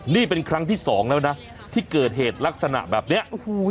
นี่เป็นครั้งที่สองแล้วนะที่เกิดเหตุลักษณะแบบนี้โอ้โห